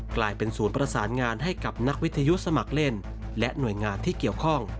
กลายเป็นศูนย์ประสานงานให้กับนักวิทยุสมัครเล่นและหน่วยงานที่เกี่ยวข้อง